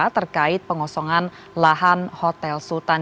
terkait pengosongan lahan hotel sultan